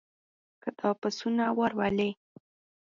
که دا پسونه ور ولې.